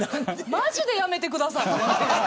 マジでやめてください。